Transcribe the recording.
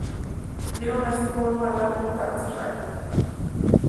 Dieron así forma al álbum "That's Right!